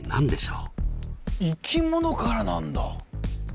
生き物からなんだ！